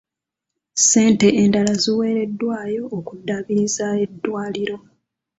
Ssente endala zaaweereddwayo okuddaabiriza eddwaliro.